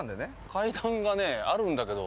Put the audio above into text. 階段があるんだけど。